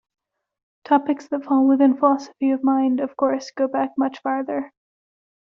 Topics that fall within philosophy of mind, of course, go back much farther.